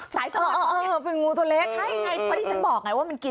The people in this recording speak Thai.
แบบงูตัวเล็ก